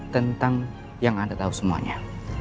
tentang yang anda tahu semuanya